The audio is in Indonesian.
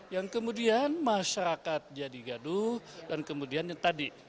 yang kemudian masyarakat jadi gaduh dan kemudian yang tadi